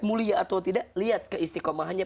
mulia atau tidak lihat keistikomahannya